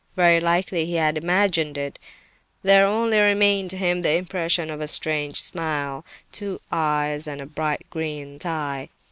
Very likely he had imagined it! There only remained to him the impression of a strange smile, two eyes, and a bright green tie.